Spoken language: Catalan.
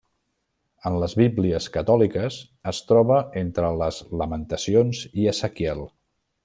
En les bíblies catòliques es troba entre les Lamentacions i Ezequiel.